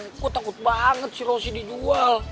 gue takut banget si rosy dijual